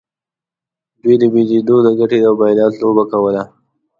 دوی د بیډیو د ګټې او بایلات لوبه کوله.